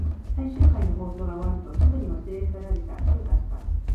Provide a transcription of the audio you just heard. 最終回の放送が終わると、すぐに忘れ去られた。風化した。